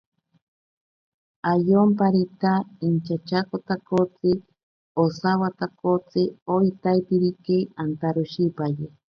Ayomparita inchatyaakotakotsi osawatakotsi oitaiterike antaroshipaye.